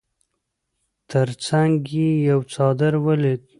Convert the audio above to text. تر څنګ يې يو څادر ولوېد.